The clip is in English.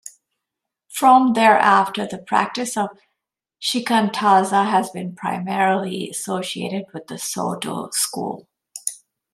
From thereafter the practice of shikantaza has been primarily associated with the Soto school.